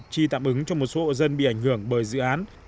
chi tạm ứng cho một số hộ dân bị ảnh hưởng bởi dự án